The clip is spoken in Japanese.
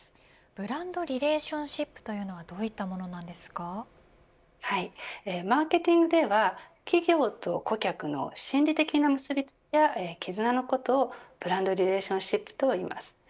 ブランド・リレーションシップというのはマーケティングでは企業と顧客の心理的な結び付きや絆のことをブランド・リレーションシップといいます。